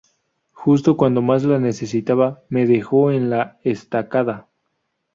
Justo cuando más la necesitaba, me dejó en la estacada